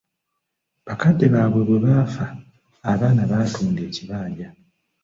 Bakadde baabwe bwe baafa abaana baatunda ekibanja.